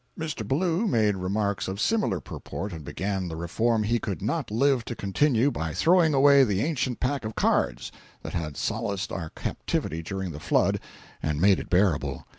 236.jpg (21K) Mr. Ballou made remarks of similar purport, and began the reform he could not live to continue, by throwing away the ancient pack of cards that had solaced our captivity during the flood and made it bearable.